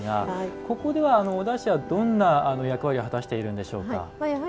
ここでは、おだしはどんな役割を果たしているんでしょうか。